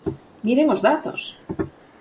¡Miren os datos!